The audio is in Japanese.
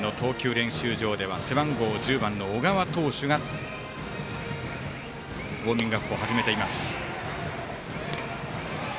練習場では背番号１０番の小川投手がウォーミングアップを始めています。